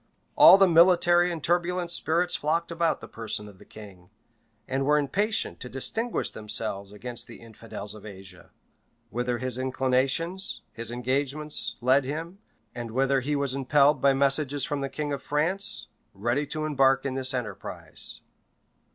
All the military and turbulent spirits flocked about the person of the king, and were impatient to distinguish themselves against the infidels in Asia; whither his inclinations, his engagements, led him, and whither he was impelled by messages from the king of France, ready to embark in this enterprise.